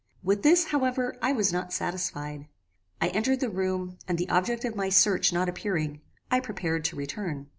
With this, however, I was not satisfied. I entered the room, and the object of my search not appearing, I prepared to return.